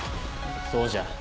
そうじゃ。